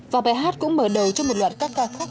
và bài hát cũng mở đầu cho một loạt các ca khác